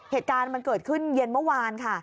เหตุการณ์มันเกิดขึ้นเย็นเมื่อวานค่ะ